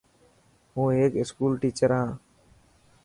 هون هيڪ اسڪول ٽيڇر هان.